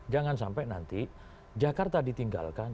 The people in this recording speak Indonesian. jangan sampai nanti jakarta ditinggalkan